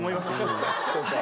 そうか。